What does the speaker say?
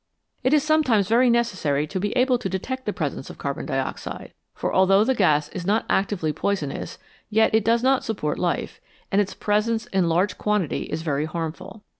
It is sometimes very necessary to be able to detect the presence of carbon dioxide ; for although the gas is not actively poisonous, yet it does not support life, and its presence in large quantity is very harmful.